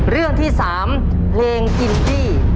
เรื่องที่๓เพลงกินตี้